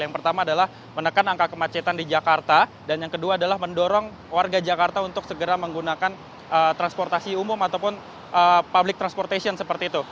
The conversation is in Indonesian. yang pertama adalah menekan angka kemacetan di jakarta dan yang kedua adalah mendorong warga jakarta untuk segera menggunakan transportasi umum ataupun public transportation seperti itu